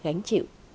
và đánh chịu